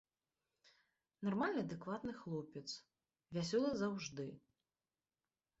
Нармальны адэкватны хлопец, вясёлы заўжды.